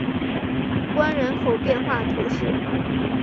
关人口变化图示